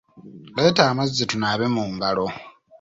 Leeta amazzi tunaabe mu ngalo.